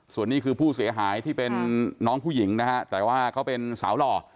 ส่วนนี้คือผู้เสียหายที่เป็นน้องผู้หญิงนะฮะแต่ว่าเขาเป็นสาวหล่อ